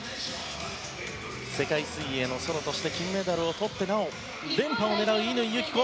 世界水泳のソロとして金メダルを取ってなお連覇を狙う乾友紀子。